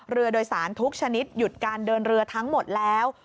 เรือโดยสารทุกชนิดหยุดการเดินเรือทั้งหมดแล้ว